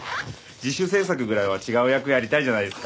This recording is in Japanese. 自主制作ぐらいは違う役やりたいじゃないですか。